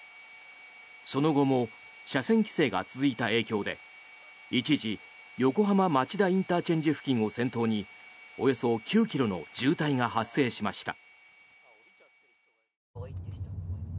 その後も車線規制が続いた影響で一時、横浜町田ＩＣ付近を先頭におよそ９ｋｍの渋滞が発生しました。